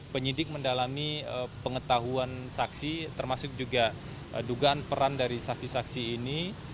penyidik mendalami pengetahuan saksi termasuk juga dugaan peran dari saksi saksi ini